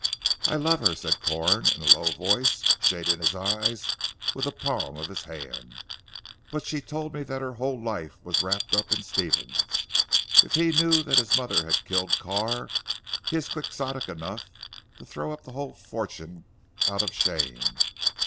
"I love her," said Corn in a low voice shading his eyes with the palm of his hand, "but she told me that her whole life was wrapped up in Stephen's. If he knew that his mother had killed Carr, he is quixotic enough to throw up the whole fortune out of shame.